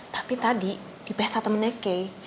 tapi tadi di pesta temennya kay